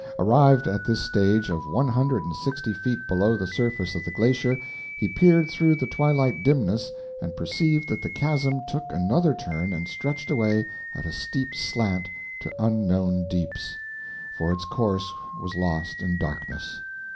Arrived at this stage of one hundred and sixty feet below the surface of the glacier, he peered through the twilight dimness and perceived that the chasm took another turn and stretched away at a steep slant to unknown deeps, for its course was lost in darkness.